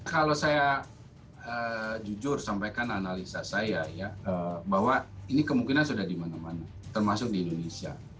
kalau saya jujur sampaikan analisa saya ya bahwa ini kemungkinan sudah di mana mana termasuk di indonesia